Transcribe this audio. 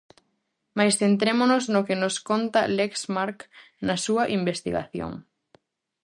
Mais centrémonos no que nos conta Lexmark na súa investigación.